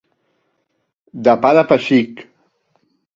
De pa de pessic.